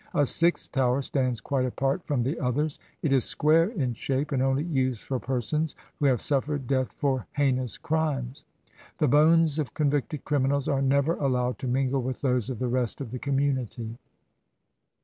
A sixth Tower stands quite apart from the others. It is square in shape, and only used for persons who have suffered death for heinous crimes. The bones of con victed criminals are never allowed to mingle with those of the rest of the community.